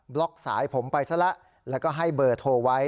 ล็อกสายผมไปซะแล้วแล้วก็ให้เบอร์โทรไว้